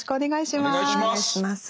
お願いします。